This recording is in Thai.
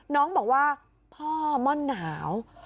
น้องบอกว่าพ่อม่อนหนาว